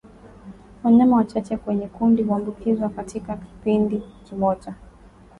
Wanyama wachache kwenye kundi huambukizwa katika kipindi kimoja